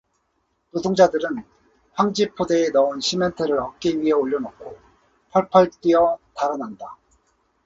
노동자들은 황지 포대에 넣은 시멘트를 어깨 위에 올려놓고 펄펄 뛰어 달아난다.